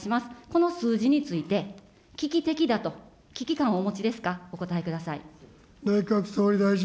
この数字について、危機的だと、危機感をお持ちですか、お答えください。